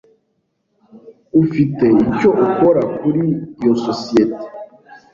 Ufite icyo ukora kuri iyo sosiyete?